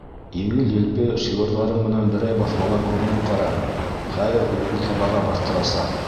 Еңел-елпе шиғырҙарың менән берәй баҫмала күренеп ҡара, хәҙер утлы табаға баҫтырасаҡ.